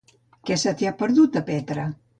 Què se t'hi ha perdut, a Petra?